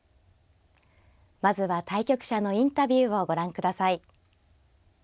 まずは対局者のインタビューをご覧ください。